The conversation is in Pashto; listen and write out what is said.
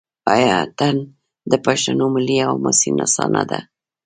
آیا اټن د پښتنو ملي او حماسي نڅا نه ده؟